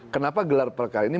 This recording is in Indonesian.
kenapa gelar perkara ini